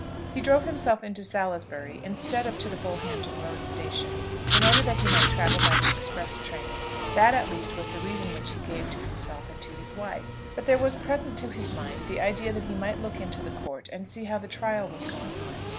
He drove himself into Salisbury instead of to the Bullhampton Road station in order that he might travel by the express train. That at least was the reason which he gave to himself and to his wife. But there was present to his mind the idea that he might look into the court and see how the trial was going on.